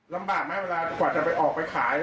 ลำบากไหมเวลากว่าจะไปออกไปขาย